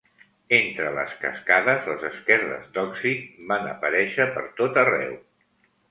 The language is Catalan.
Entre les cascades, les esquerdes d'òxid van aparèixer pertot arreu.